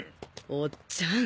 おっちゃん